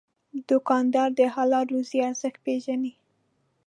دوکاندار د حلال روزي ارزښت پېژني.